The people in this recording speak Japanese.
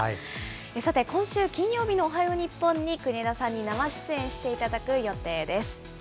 さて、今週金曜日のおはよう日本に国枝さんに生出演していただく予定です。